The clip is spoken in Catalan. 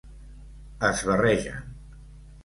Es barregen.